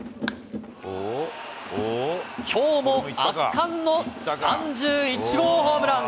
きょうも圧巻の３１号ホームラン。